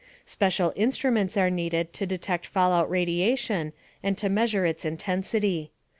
Special instruments are needed to detect fallout radiation and to measure its intensity.